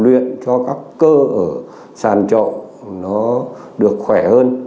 luyện cho các cơ ở sàn trọ nó được khỏe hơn